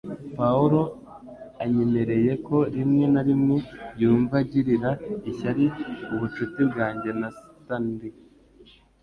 Pawulo anyemereye ko rimwe na rimwe yumva agirira ishyari ubucuti bwanjye na Stanley